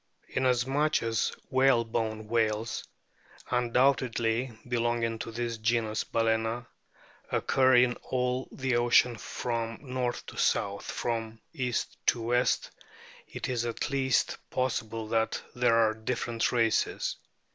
Inasmuch as whalebone whales, undoubtedly be longing to this genus Balana, occur in all the oceans from north to south, from east to west, it is at least possible that there are different races.